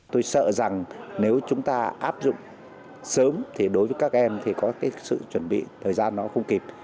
tôi sợ rằng nếu chúng ta áp dụng sớm thì đối với các em thì có cái sự chuẩn bị thời gian nó không kịp